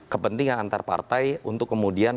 kepentingan antar partai untuk kemudian